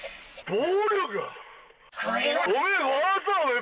暴力？